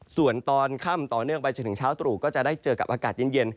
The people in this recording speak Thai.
ส่วนตอนค่ำต่อเนื่องไปจนถึงเช้าตรู่ก็จะได้เจอกับอากาศเย็น